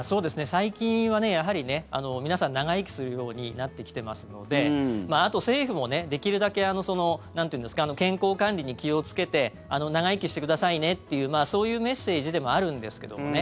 最近はやはり皆さん、長生きするようになってきてますのであと、政府もできるだけ健康管理に気をつけて長生きしてくださいねというそういうメッセージでもあるんですけどもね。